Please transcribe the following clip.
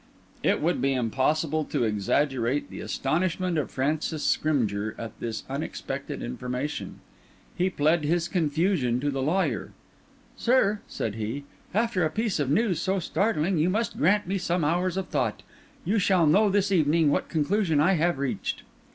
It would be impossible to exaggerate the astonishment of Francis Scrymgeour at this unexpected information. He pled this confusion to the lawyer. "Sir," said he, "after a piece of news so startling, you must grant me some hours for thought. You shall know this evening what conclusion I have reached."